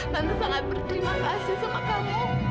kami sangat berterima kasih sama kamu